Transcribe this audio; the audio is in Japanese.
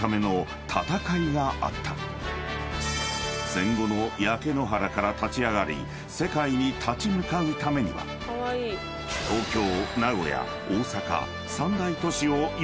［戦後の焼け野原から立ち上がり世界に立ち向かうためには東京名古屋大阪］